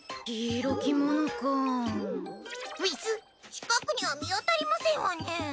近くには見当たりませんわね。